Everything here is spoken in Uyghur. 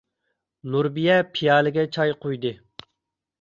نۇربىيە پىيالىگە چاي قۇيدى.